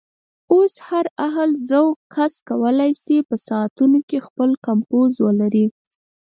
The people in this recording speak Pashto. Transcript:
اوس هر اهل ذوق کس کولی شي په ساعتونو کې خپل کمپوز ولري.